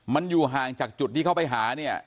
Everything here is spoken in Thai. มันอยู่ห่างจากจุดที่เขาไปหาเนี่ย